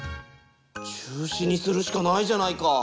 中止にするしかないじゃないか。